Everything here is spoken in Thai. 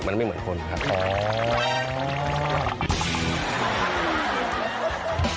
มันไม่เหมือนคนครับ